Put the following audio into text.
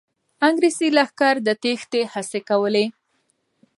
انګریزي لښکر د تېښتې هڅې کولې.